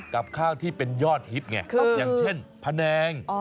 กับข้าวที่เป็นยอดฮิตไงอย่างเช่นแผนง